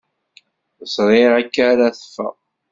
Ẓriɣ akka ara teffeɣ.